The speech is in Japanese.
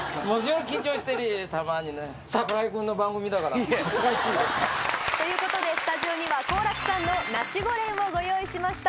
恥ずかしいです。ということでスタジオには幸楽さんのナシゴレンをご用意しました。